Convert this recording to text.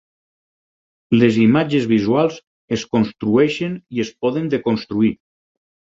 Les imatges visuals es construeixen i es poden desconstruir.